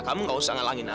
kamu gak usah ngelangin aja